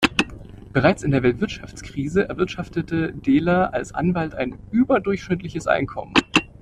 Bereits in der Weltwirtschaftskrise erwirtschaftete Dehler als Anwalt ein überdurchschnittliches Einkommen.